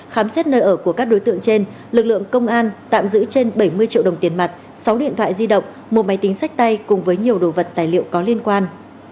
khám xét nơi ở của các đối tượng trên lực lượng công an tạm giữ trên bảy mươi triệu đồng tiền mặt sáu điện thoại di động một máy tính sách tay cùng với nhiều đồ vật tài liệu có liên quan